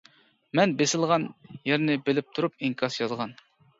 مەن بېسىلغان يېرىنى بىلىپ تۇرۇپ ئىنكاس يازغان.